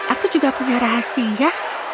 aku juga punya rahasia